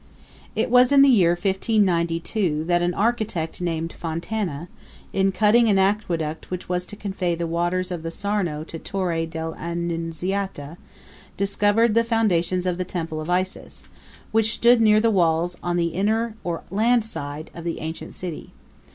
It was in the year 1592 that an architect named Fontana, in cutting an aqueduct which was to convey the waters of the Sarno to Torre dell' Annunziata, discovered the foundations of the Temple of Isis, which stood near the walls on the inner or land side of the ancient city.